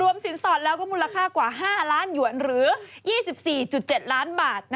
สินสอดแล้วก็มูลค่ากว่า๕ล้านหยวนหรือ๒๔๗ล้านบาท